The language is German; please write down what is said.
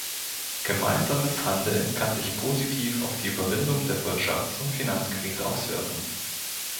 Gemeinsames Handeln kann sich positiv auf die Überwindung der Wirtschafts- und Finanzkrise auswirken.